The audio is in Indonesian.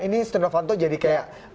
ini setia novanto jadi kayak